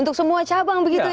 untuk semua cabang begitu ya